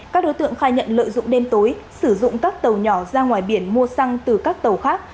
các đối tượng khai nhận lợi dụng đêm tối sử dụng các tàu nhỏ ra ngoài biển mua xăng từ các tàu khác